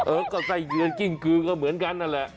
เออก็ไส้เดือนกิ้งกือก็เหมือนกันนั่นแหละ